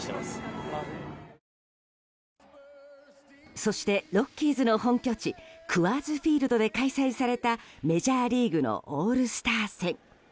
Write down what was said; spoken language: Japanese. そして、ロッキーズの本拠地クアーズ・フィールドで開催されたメジャーリーグのオールスター戦。